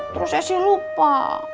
terus asyik lupa